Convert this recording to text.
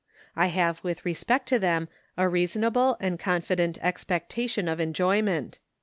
I have with respect to them a reasonable and confident expectation of enjoyment.